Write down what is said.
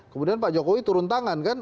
kemudian pak jokowi turun tangan kan